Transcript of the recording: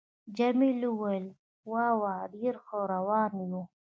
جميلې وويل:: وا وا، ډېر ښه روان یو.